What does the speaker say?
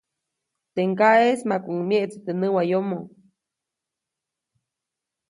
Teʼ ŋgaʼeʼis makuʼuŋ myeʼtse teʼ näwayomo.